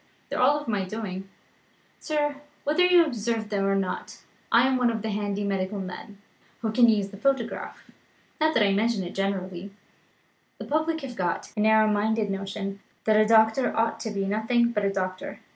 They are of my doing, sir whether you observed them or not I am one of the handy medical men, who can use the photograph. Not that I mention it generally; the public have got a narrow minded notion that a doctor ought to be nothing but a doctor.